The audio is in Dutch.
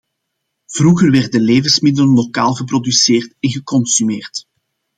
Vroeger werden levensmiddelen lokaal geproduceerd en geconsumeerd.